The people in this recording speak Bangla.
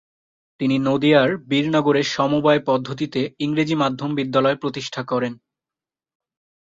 তিনি নদিয়ার বীরনগরের সমবায় পদ্ধতিতে ইংরেজি মাধ্যম বিদ্যালয় প্রতিষ্ঠা করেন।